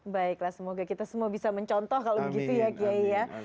baiklah semoga kita semua bisa mencontoh kalau begitu ya kiai ya